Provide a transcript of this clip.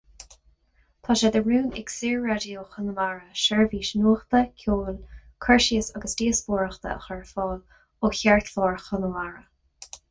Tá sé de rún ag Saor-Raidió Chonamara seirbhís nuachta, ceoil, cur síos agus díospóireachta a chur ar fáil ó cheartlár Chonamara.